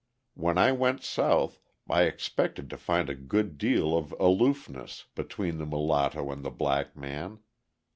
When I went South I expected to find a good deal of aloofness between the mulatto and the black man.